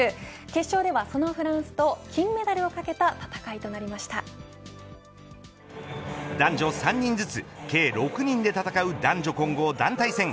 決勝ではそのフランスと金メダルを懸けた男女３人ずつ計６人で戦う男女混合団体戦。